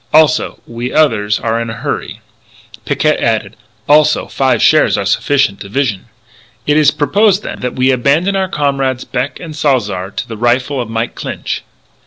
Also, we others are in a hurry." Picquet added: "Also five shares are sufficient division." "It is propose, then, that we abandon our comrades Beck and Salzar to the rifle of Mike Clinch?"